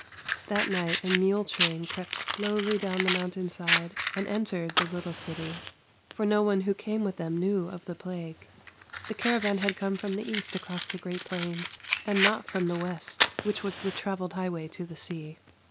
That night a mule train crept slowly down the mountain side and entered the little city, for no one who came with them knew of the plague. The cara van had come from the east across the great plains, and not from the west, which was the travelled highway to the sea.